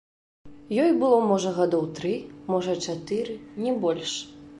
Ёй было можа гадоў тры, можа чатыры, не больш.